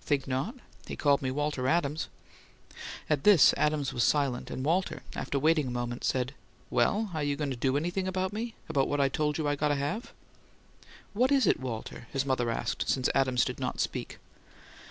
"Think not? He called me 'Walter Adams.'" At this Adams was silent; and Walter, after waiting a moment, said: "Well, are you going to do anything about me? About what I told you I got to have?" "What is it, Walter?" his mother asked, since Adams did not speak.